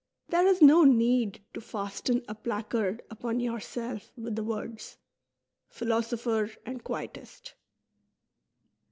There is no need to fasten a placard upon yourself with the words :" Philosopher and Quietist."